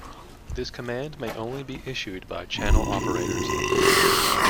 This command may only be issued by channel operators.